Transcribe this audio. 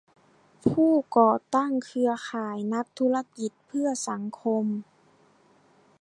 ผู้ก่อตั้งเครือข่ายนักธุรกิจเพื่อสังคม